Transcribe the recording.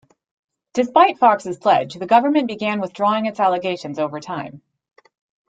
Despite Fox's pledge, the government began withdrawing its allegations over time.